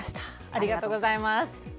ありがとうございます。